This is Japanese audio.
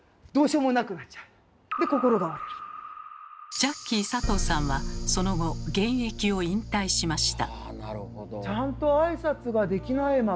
ジャッキー佐藤さんはその後現役を引退しました。